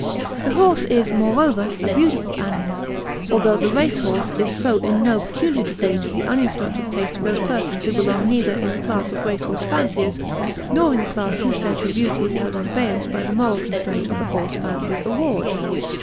The horse is, moreover, a beautiful animal, although the race horse is so in no peculiar degree to the uninstructed taste of those persons who belong neither in the class of race horse fanciers nor in the class whose sense of beauty is held in abeyance by the moral constraint of the horse fancier's award.